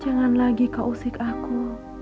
jangan lagi kau usik aku